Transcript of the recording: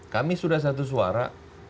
kami sudah satu suara